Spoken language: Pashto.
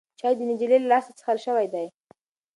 چای د نجلۍ له لاسه څښل شوی دی.